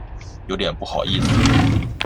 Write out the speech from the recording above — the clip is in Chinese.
有点不好意思